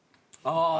ああ。